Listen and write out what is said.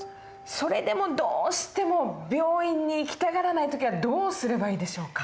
それでもどうしても病院に行きたがらない時はどうすればいいでしょうか？